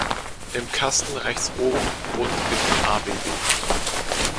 Im Kasten rechts oben und in Abb.